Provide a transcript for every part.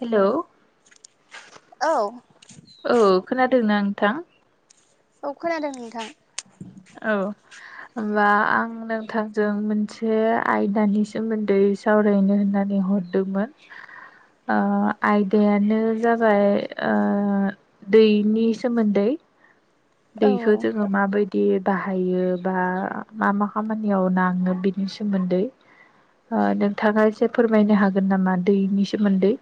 Hello औ औ खोनादोंना नोंथां औ खोनादों नोंथां। होनबा आं नोंथांजों मोनसे आयदानि सोमोन्दै सावरायनो होननानै हरदोंमोन ओ आयदायानो जाबाय ओ दैनि सोमोन्दै औ दैखौ जोङो माबायदि बिदि बाहायो बा मा मा खामानियाव नाङो बिनि सोमोन्दै नोंथाङा एसे फोरमायनो हागोन नामा दैनि सोमोन्दै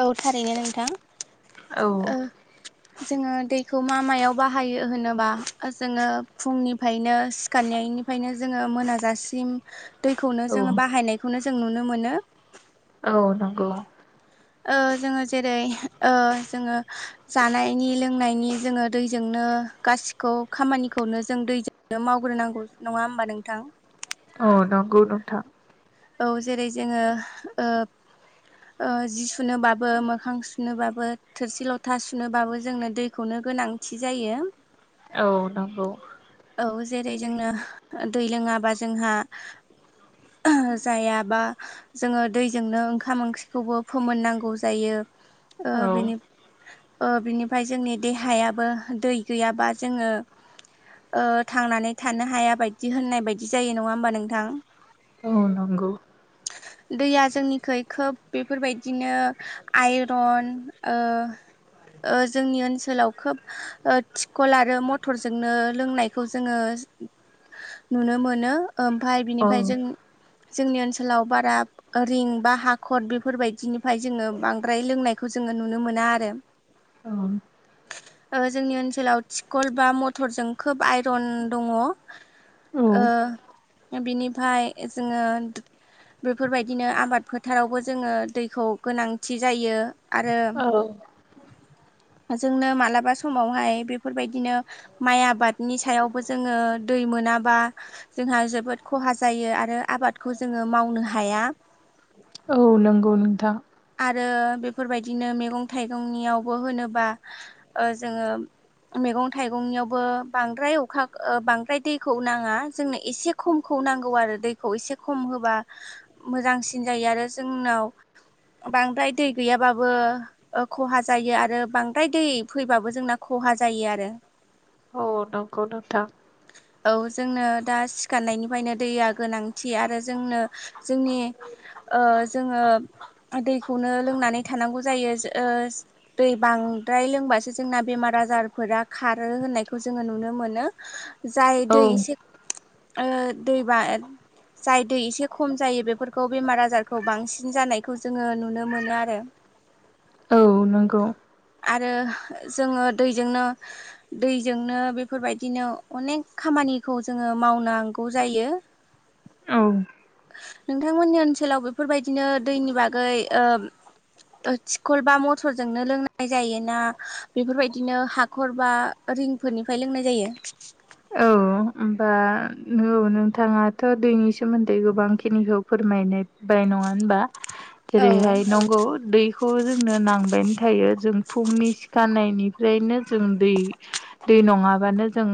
औ थारैनो नोंथां औ ओ जोङो दै खौ मा मायाव बाहायो होनोबा जोङो फुंनिफ्रायनो सिखारनायनिफ्रायनो जोङो मोनाजासिम दैखौनो औ जोङो बाहायनायखौनो जों नुनो मोनो। औ नंगौ। ओ जोङो जेरै ओ जोङो जानायनि लोंनायनि जोङो दैजोंनो नो गासिखौबो खामानिखौनो जों दैजोंनो मावग्रोनांगौ नङा होमबा नोंथां। औ नंगौ नोंथां। औ जेरै जोङो ओ ओ‌ जि सुनोबाबो मोखां सुनोबाबो थोरसि लथा सुनोबाबो जोंनो दैखौनो गोनांथि जायो। औ नोंगौ। औ जेरै जोंनो दै लोङाबा जोंहा जायाबा जोङो दैजोंनो ओंखाम ओंख्रिखौबो फोमोननांगौ जायो। ओ औ बिनि ओ बिनिफ्राय जोंनि देहायाबो दै गैयाबा जोङो ओ थांनानै थानो हाया बायदि होननाय बायदि जायो नङा होमबा नोंथां। औ नंगौ। दैया जोंनिख खोब बेफोरबायदिनो आइरन ओ ओ जोंनि ओनसोलाव खोब थिखल आरो मथरजोंनो लोंनायखौ जोङो नुनो मोनो। ओमफ्राय औ बिनिफ्राय जों जोंनि ओनोल ओनसोलाव बारा रिं बा हाखर बेफोरबायदिनिफ्राय जोङो बांद्राय लोंनायखौ जोङो नुनो मोना। ना आरो। औ ओ जोंनि ओनसोलाव टिखल बा मथरजों खोब आइरन दङ। ओ औ बिनिफ्राय जोङो बेफोरबायदिनो आबाद फोथारावबो जोङो दैखौ गोनांथि जायो। आरो जोंनो मालाबा समावहाय बेफोरबायदिनो माइ आबाद नि सायावबो जोङो दै मोनाबा जोंहा जोबोद खहा जायो आरो आबादखौ जोङो मावनो हाया। औ नंगौ नोंथां। आरो बेफोरबायदिनो मैगं थाइगंनियावबो होनोबा ओ जोङो मैगं थाइगंनियावबो बांद्राय अखा ओ बांद्राय दैखौ नाङा जोंनो एसे खमखौ खौ नांगौ आरो दैखौ एसे खम होबा मोजांसिन जायो आरो जोंनाव बांद्राय दै गैयाबाबो ओ खहा जायो आरो बांद्राय दै फैबाबो जोंना खहा जा जायो आरो। औ नगौ नोंथां। ओ जोंनो दा सिखारनायनिफ्रायनो दैया गोनांथि आरो जोंनो जोंनि ओ जोङो दैखौनो लोंनानै थानांगौ जायो ओ दै बांद्राय लोंबासो जोंना बेमार आजारफोरा खारोहोननायखौ जोङो नुनो मोन जाय औ दै एसे ओ दैबा जाय दै एसे खम जायो बेफोरखौ बेमार आजारखौ बांसिन जानाय खौ जोङो नुनो मोनो आरो। औ नांगौ। आरो जोङो दैजोंनो दैजोंनो बेफोरबायदिनो अनेक खामानि निखौ जोङो मावनांगौ जायो। औ औ नोंथांमोननि ओनसोलाव बेफोरबायदिनो दैनि बागै ओ थिखल बा मथरजोंनो लोंनाय लोंनाय जायो ना बेफोरबायदिनो हाखर बा रिंफोरनिफ्राय लोंनाय जायो? औ होनबा नो नोंथांङाथ दैनि सोमोन्दै गोबां खिनिखौ फोरमायनायबाय नंङा होनबा जेरैहाय औ नंगौ दै खौ जोंनो नांबायानो थायो जों फुंनि सिखारानायनिफ्रायनो जों दै दै नंङाबानो जों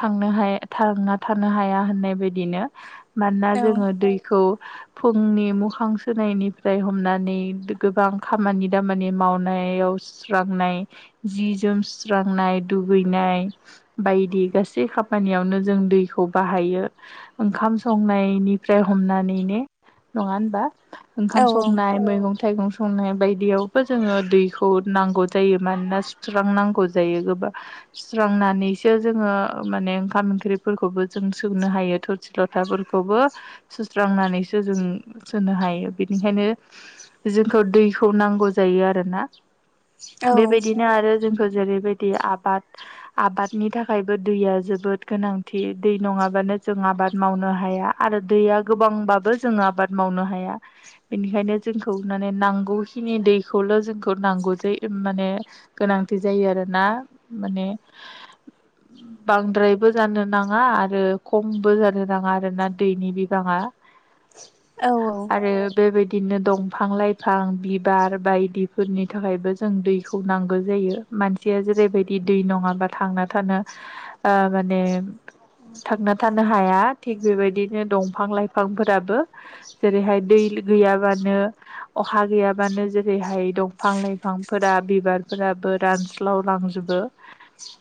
थांनो हाया थांङा थानो हाया होननाय बदिनो मानोना जोंङो दैखौ फुंनि मुखां सोनायनिफ्राय हमनानै गोबां खामानि दामानि मावनाय नायाव सुस्रांनाय जि जोम सुस्रांनाय दुगैनाय बायदि गासि सै खामानियावनो जों दैखौ बाहायो ओंखाम संनायनिफ्राय हमनानै ने नंङा होनबा औ ओंखाम संनाय मैगंं थाइगं संनाय बायदियावबो जोंङो दैखौ नांगौ जायो मानोना सुस्रांनांगौ जायो गोब बा सुस्रांनानैसो जोंङो ओ माने ओंखाम ओंख्रिफोरखौबो जों सुनो हायो थोरसि लथाफोरखौबो सुस्रांनानै जों सोनो हायो बिनिखायनो जोंखौ दैखौ नांगौ जायो आरोना औ बेबायदिनो आरो जोंखौ जेरैबायदि आबाद आबादनि थाखाय बो दैया जोबोद गोनांथि दै नंङाबानो जों आबाद मावनो हाया आरो दैया गोबां बाबो जों आबाद मावनो हाया बेनिखायनो जोंखौ माने नांगौखिनि दैखौल जोंखौ नांगौ जाङो माने गोनांथि जायो आरोना माने [inaudible] बांद्रायबो जानो नांङा आरो खमबो जानो नांङा आरोना दैनि बिबांङा औ आरो बेबायदि बिदिनो दंफां-लाइफां बिबार बायदिफोरनि थाखायबो जों दैखौ नांगौ जायो। मानसिया जेरैबायदि दै नंङाबा थांना थानो ओ माने थांना थानो हाया थिग बेबायदिनो दंफां लाइफांफोराबो जेरैहाय दै गैयाबानो अखा गैयाबानो जेरैहाय दंफां लाइफांफोरा बिबारफोरा फोरा रानस्लावलांजोबो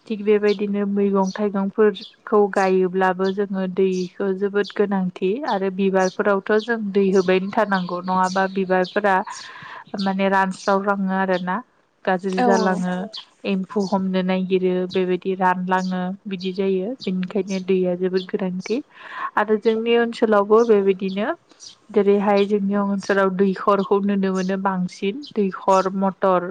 थिग बेबायदि बिदिनो मैगं थाइगंफोरखौ गायोब्लाबो जोंङो दैखौ जोबोद गोनांथि आरो आरो बिबारफोरावथ जों दै होबायानो थानांगौ नंङाबा बिबारफोरा माने रान स्राव लांङो आरो ना गाज्रि औ जांलाङो एमफुऔ हमनो नागिरो बेबायदि बि रानलांङो बिदि जायो बेनिखायनो दैया जोबोर गोनांथि आरो जोंनि ओनसोल ओनसोलावबो बेबायदिनो जेरैहाय जोंनि ओनसोलाव दैखरखौ नुनो मोनो बांसिन दैखर मटर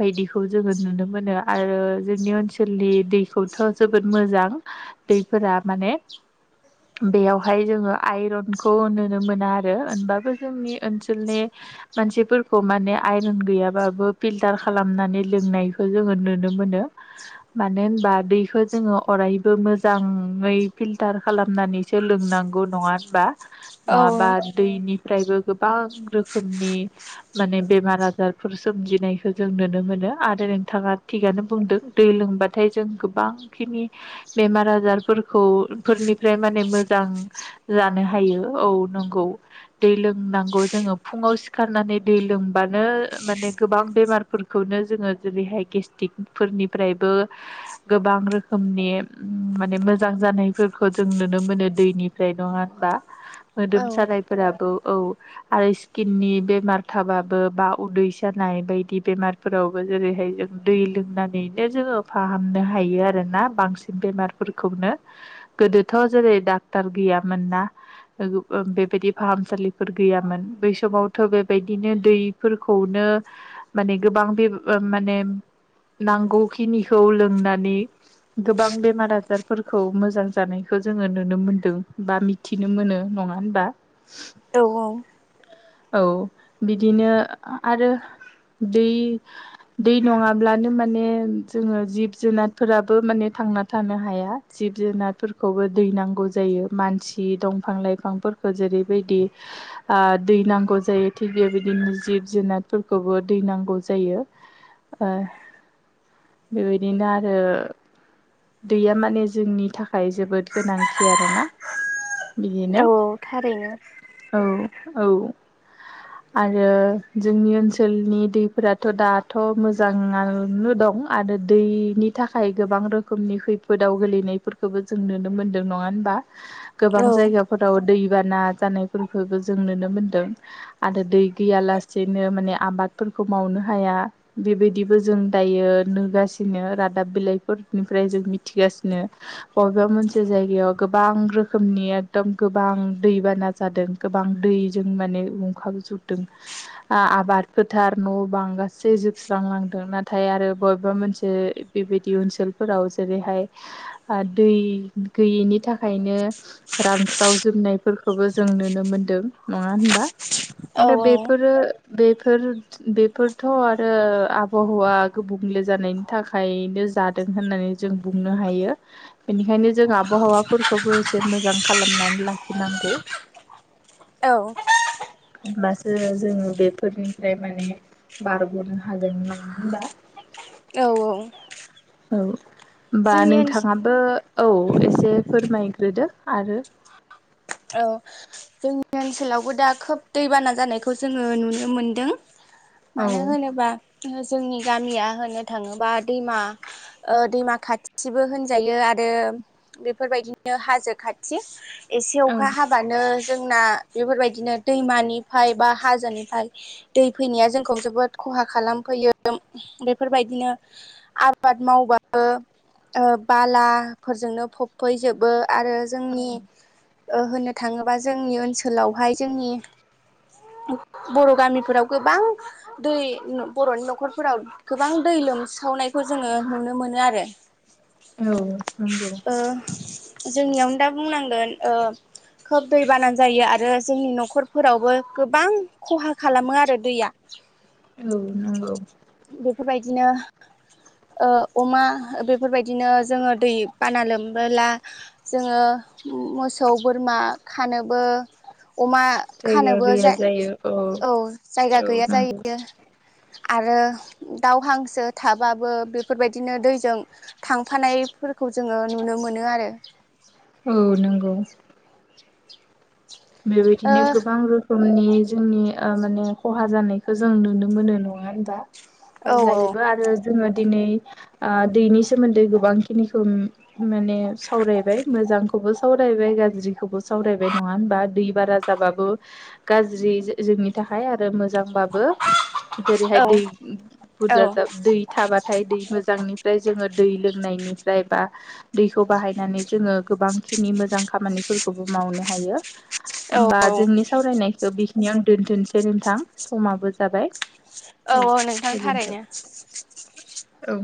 बायदिखौ जोंङो नुनो मोनो आरो जोंनि ओनसोलनि दैखौथ जोबोद मोजां दैफोरा माने बेयावहाय जोंङो आइरनखौ नुनो मोना आरो होनबाबो जोंनि ओनसोलनि मानसिफोरखौ माने आइरन गैयाबाबो फिलटार खालामनानै लोंनायखौ जोंङो नुनो मोनो मोनो माने मानो होनबा दैखौ जोंङो अरायबो मोजांङै फिल्टार खालामनानैसो लोंनांगौ। नंङा होनबा नंङाबा दैनि फ्रायबो गोबां रोखोमनि माने बेमार आजारफोर सोमजिनायखौ जों नुनो मोनो आरो नोंथांङा थिगानो बुंदों दै लोंबा नाथाय जों गोबांखिनि बेमार आजारफोरखौ फोरनिफ्राय माने मोजां जानो हायो औ नंगौ दै लोंनांगौ जोंङो फुंङाव सिखारनानै दै लों बानो माने गोबां बेमारफोरखौनो जोंङो जेरैहाय गेस्ट्रिकफोरनिफ्रायबो [unintelligible] गोबां रोखोमनि माने मोजां जानायफोरखौ जों नुनो मोनो दैनिफ्राय नंङा दा मोदोम सानायफोराबो औ आरो स्किननि बेमार थाबाबो बा उदैसा नाय बायदि बेमारफोरावबो जेरैहाय जों दै लोंनानैनो जोंङो फाहामनो हायो आरोना बांसिन बेमारफोरखौनो गोदोथ जेरै डाक्टार गै गैयामोन ना गोब बेबायदि फाहामसालिफोर गैयामोन बै समावथ बेबायदिनो दैफोरखौनो माने गोबां बे माने नांगौखिनि खौ लोंनानै गोबां बेमार आजारफोरखौ मोजां जानायखौ जोङो नुनो मोनदों। बा मिथिनो मोनो नङा होनबा। औ औ। औ बिदिनो आरो। दै दै नङाब्लानो माने। जोङो जिब-जुनारफोराबो माने थांना थानो हाया जिब जुनारफोरखौबो दै नांगौ जायो। यो मानसि दंफां लाइफांफोरखौ जेरैबायदि दै ओ नांगौ जायो थि बे। बिदिनो जिब-जुनारफोरखौबो दै नांगौ जायो ओ। बेबायदिनो आरो। दैया माने जोंनि थाखाय जोबोद गोनांथि आरोना। बिदिनो औ थारैनो औ औ। आरो जोंनि ओनसोलनि दैफोराथ' दाथ' मोजाङानो दं। दं आरो दैनि थाखाय गोबां रोखोम। रोखोमनि खैफोदाव गेलेनायफोरखौबो जों नुनो मोनदों नङा होनबा। गोबां औ जायगाफोराव दै। दैबाना जानायफोरखौबो जों नुनो मोनदों आरो दै गैया लासेनो माने आबाद फोर। खो मावनो हाया बेबायदिबो जों दायो नुगासिनो रादाब बिलाइफोर। निफ्राय जों मिथिगासिनो बबेबा मोनसे जायगायाव गोबां रोखोमनि एकदम गोबां। बां दैबाना जादों गोबां दैजों माने लोमखाव जुबदों आं आबाद फो। गोथार न' बां गासै जोबस्रांलांदों नाथाय आरो बबेबा मोनसे बेबायदि ओनसोल। फोराव जेरैहाय ओ दै गैयैनि थाखायनो रानस्राव जोब। होननायफोरखौबो जों नुनो मोनदों नङा होनबा औ थारैनो औ आरो औ बेफोरो। बेफोर बेफोरथ' आरो आबहावा गुबुंले जानायनि थाखायनो जाद। होननानै जों बुंनो हायो बेनिखायनो जों आबहावाफोरखौबो एसे मोजां खालामनानै। लाखिनांगौ। औ। होनब्लासो जोङो बेफोरनिफ्राय माने बारग'नो हागोन नङा होनबा। औ औ। औ होमबा जोंनि ओनसोल नोंथाङाबो। औ एसे फोरमायग्रोदो आरो। औ जोंनि ओनसोलावबो दा खोब दैबाना जानायखौ जोङो नुनो मोनदों। औ मानो होनोबा। जोङो जोंनि गामिया होननो थाङोबा दैमा ओ दैमा खाथिबो होनजायो आरो। आरो बेफोरबायदिनो हाजो खाथि एसे औ अखा हाबानो। जोंना बेफोरबायदिनो दैमानिफ्राय बा हाजोनिफ्राय दै फैनाया जोंखौ जोबोद ख। खहा खालामफैयो बेफोरबायदिनो आबाद मावबाबो। ओ बालाफोरजोंनो फबफैजोबो आरो जोंनि। ओ होननो थाङोबा जोंनि ओनसोलावहाय जोंनि। बर' गामिफोराव गोबां दै बर'नि न'खरफोराव गोबां दै। लोमसावनायखौ जोङो नुनो मोनो आरो। औ नंगौ। ओ जोंनियावनो दा बुंनांगोन ओ। खोब दै बाना जायो आरो जोंनि न'खरफोरावबो गोबां खहा खालामो आरो दैया। औ नंगौ। बेफोरबायदिनो। ओ अमा बेफोरबायदिनो जोङो दै बाना लोमबोला जोङो। अ मोसौ बोरमा खानोबो। अमा जायगा खानोबो गैया जा जायो औ जायगा औ गैया नंगौ जायो। आरो। दाव हांसो थाबाबो बेफोरबायदिनो दैजों थांफानायफोरखौ जोङो नु। नुनो मोनो आरो औ नंगौ। बेबायदिनो गोबां रोखोम‌ नि जोंनि माने खहा जानायखौ जों नुनो मोनो नङा होनबा? आरो ओ औ जायोबो आरो जोङो दिनै ओ दैनि सोमोन्दै गोबां खिनिखौ माने सावरायबाय मोजांखौबो सावरायबाय गाज्रिखौबो सावरायबाय नङा होनबा‌ दै बारा जाबाबो गाज्रि जो जोंनि थाखाय आरो मोजांबाबो जेरैहाय औ दै औ बुरजा जा दै थाबाथाय दै मोजांनिफ्राय जोङो। दै लोंनायनिफ्राय बा दैखौ बाहायनानै जोङो गोबांखिनि मोजां खामानिफोरखौबो माव मावनो हायो औ बा औ जोंनि सावरायनायखौ बि इयां आं दोनथनसै नोंथां समाबो जाबाय। औ गोजोनथों औ।